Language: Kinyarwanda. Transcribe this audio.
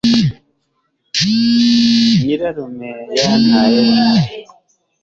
nyirarume yantaye ejo